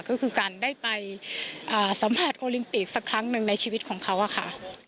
ก็คือการได้ไปสัมผัสโอลิมปิกสักครั้งหนึ่งในชีวิตของเขาอะค่ะ